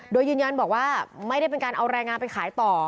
โดยยืนยันบอกว่าไม่ได้เป็นการเอาแรงงานไปขายต่อ